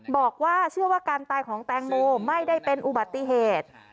บอกว่าเชื่อว่าการตายของแตงโมไม่ได้เป็นอุบัติเหตุ